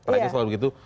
rakyat selalu begitu